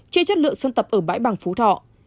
chê chất lượng sân tập ở bãi bằng phủ thọ